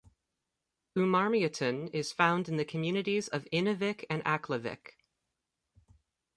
Uummarmiutun is found in the communities of Inuvik and Aklavik.